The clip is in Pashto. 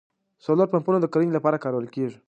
سولر پمپونه د کرنې لپاره کارول کیږي